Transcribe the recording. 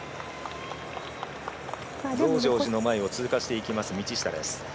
増上寺の前を通過していく道下です。